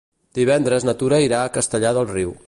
Divendres na Tura irà a Castellar del Riu.